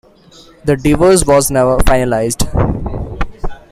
The divorce was never finalized.